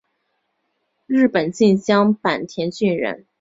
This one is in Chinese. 日本近江坂田郡人。